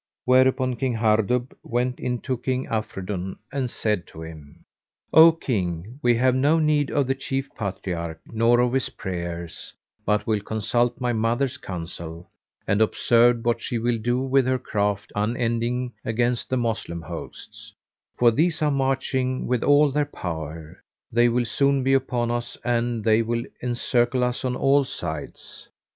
Whereupon King Hardub went in to King Afridun and said to him, "O King, we have no need of the Chief Patriarch nor of his prayers, but will consult my mother's counsel and observe what she will do with her craft unending against the Moslem hosts; for these are marching with all their power, they will soon be upon us and they will encircle us on all sides."